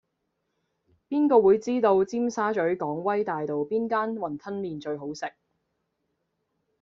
邊個會知道尖沙咀港威大道邊間雲吞麵最好食